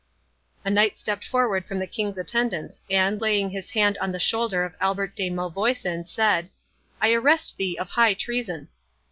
A Knight stepped forward from the King's attendants, and, laying his hand on the shoulder of Albert de Malvoisin, said, "I arrest thee of High Treason."